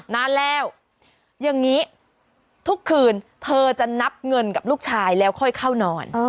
นานแล้วอย่างนี้ทุกคืนเธอจะนับเงินกับลูกชายแล้วค่อยเข้านอน